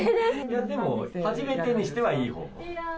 でも、初めてにしてはいいほう。